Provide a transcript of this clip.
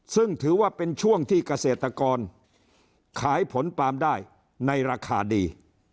ซึ่งถือว่าเป็นช่วงที่เกษตรกรขายผลปาล์มได้ในราคาดี